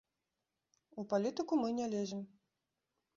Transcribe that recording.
У палітыку мы не лезем.